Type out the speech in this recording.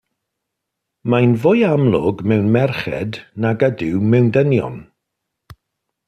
Mae'n fwy amlwg mewn merched nag ydyw mewn dynion.